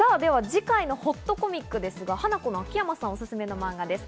次回のほっとコミックですがハナコの秋山さんおすすめの漫画です。